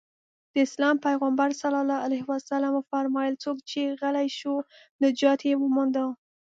د اسلام پيغمبر ص وفرمايل څوک چې غلی شو نجات يې ومونده.